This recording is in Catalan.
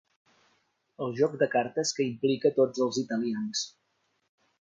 El joc de cartes que implica tots els italians.